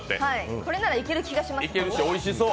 これならいける気がします。